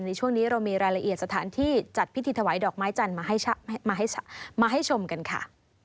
ในช่วงนี้เรามีรายละเอียดสถานที่จัดพิธีถวายดอกไม้จันทร์มาให้ชมกันค่ะ